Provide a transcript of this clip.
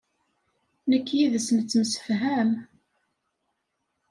Nekk yid-s nettemsefham.